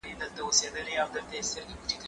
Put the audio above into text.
کېدای سي سفر ستونزي ولري!؟